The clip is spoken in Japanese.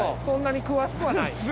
そんなに詳しくはない。